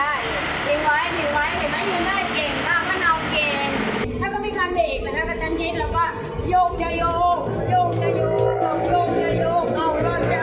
ทำให้ดูหน้าเก่งค่ะเย็นเก่ง